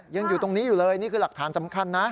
ยังอยู่ตรงนี้อยู่เลยนี่คือหลักฐานสำคัญนะ